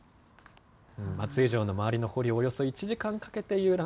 松江城の周りの堀、およそ１時間かけて遊覧。